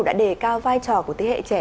đã đề cao vai trò của thế hệ trẻ